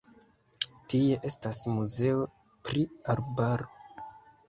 Tie estas muzeo pri arbaro.